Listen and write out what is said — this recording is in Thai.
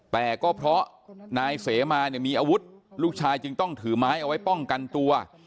แต่ก็เพราะนายเสมาเนี่ยมีอาวุธลูกชายจึงต้องถือไม้เอาไว้ป้องกันตัว